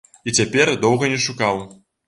І цяпер доўга не шукаў.